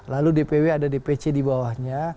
lalu dpw ada dpc di bawahnya